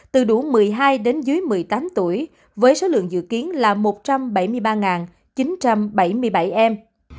từ đủ một mươi hai đến dưới một mươi tám tuổi với số lượng dự kiến là một trăm bảy mươi ba chín trăm bảy mươi bảy em